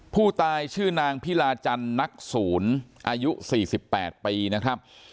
ผู้ตายชื่อนางพิลาจันทร์นักศูนย์อายุ๔๘ปีนะครับ